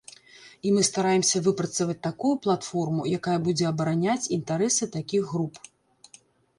І мы стараемся выпрацаваць такую платформу, якая будзе абараняць інтарэсы такіх груп.